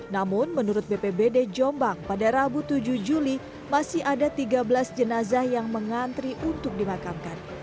namun menurut bpbd jombang pada rabu tujuh juli masih ada tiga belas jenazah yang mengantri untuk dimakamkan